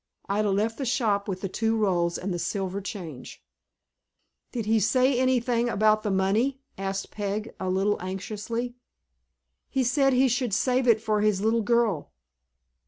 Ida left the shop with the two rolls and the silver change. "Did he say anything about the money?" asked Peg, a little anxiously. "He said he should save it for his little girl."